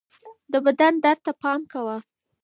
د بدن درد ته پام کوه